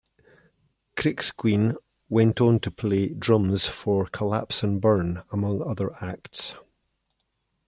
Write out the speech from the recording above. Kriksciun went on to play drums for Collapse and Burn, among other acts.